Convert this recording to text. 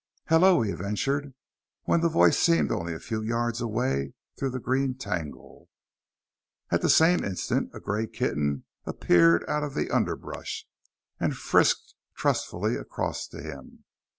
"Hello," he ventured, when the voice seemed only a few yards away through the green tangle. At the same instant a gray kitten appeared out of the underbrush, and frisked trustfully across to him.